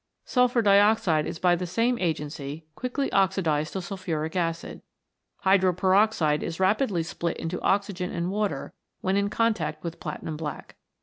Sulphur dioxide is by the same agency quickly oxidised to sulphuric acid. Hydroperoxide is rapidly split into oxygen and water when in contact with platinum black.